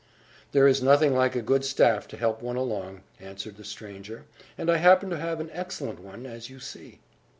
"There is nothing like a good staff to help one along," answered the stranger; "and I happen to have an excellent one, as you see."